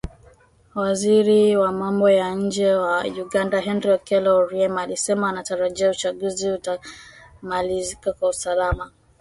Waziri wa Mambo ya Nje wa Uganda Henry Okello Oryem alisema anatarajia uchaguzi utamalizika kwa usalama.